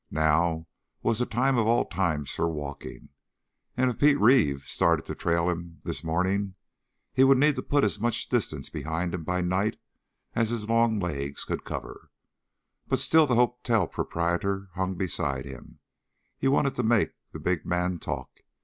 Now was the time of all times for walking, and if Pete Reeve started to trail him this morning, he would need to put as much distance behind him by night as his long legs could cover. But still the hotel proprietor hung beside him. He wanted to make the big man talk.